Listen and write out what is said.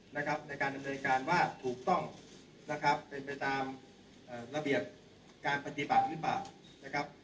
ในการดำเนินการว่าถูกต้องนะครับเป็นไปตามระเบียบการปฏิบัติหรือเปล่านะครับ